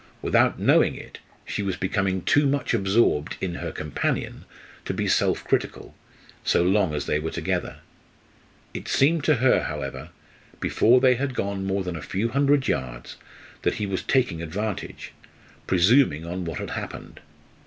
Without knowing it, she was becoming too much absorbed in her companion to be self critical, so long as they were together. It seemed to her, however, before they had gone more than a few hundred yards that he was taking advantage presuming on what had happened.